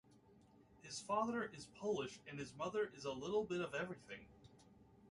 His father is Polish, and his mother is "a little bit of everything".